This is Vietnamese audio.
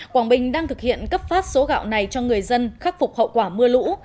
quảng bình đang thực hiện cấp phát số gạo này cho người dân khắc phục hậu quả mưa lũ